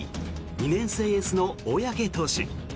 ２年生エースの小宅投手。